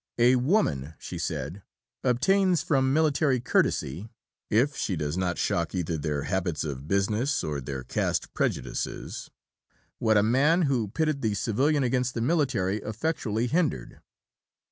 "A woman," she said, "obtains from military courtesy (if she does not shock either their habits of business or their caste prejudices) what a man who pitted the civilian against the military effectually hindered."